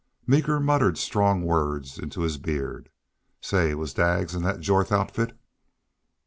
Meeker muttered strong words into his beard. "Say, was Daggs in thet Jorth outfit?"